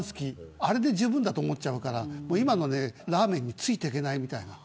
あれでじゅうぶんだと思っちゃうから今のラーメンについていけない。